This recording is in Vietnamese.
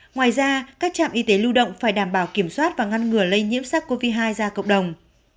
ngoài ra các trạm y tế lưu động phải đảm bảo kiểm soát và ngăn ngừa lây nhiễm sắc covid một mươi chín ra cộng đồng